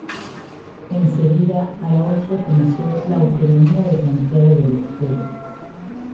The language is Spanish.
Enseguida, Aráoz reconoció la autonomía de Santiago del Estero.